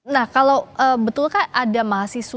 nah kalau betul kan ada mahasiswa